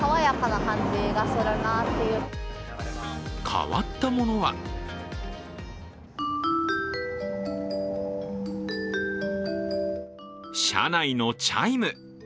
変わったものは車内のチャイム。